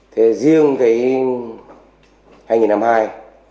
thế riêng cái